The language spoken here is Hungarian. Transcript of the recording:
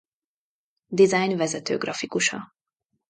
Design vezető grafikusa.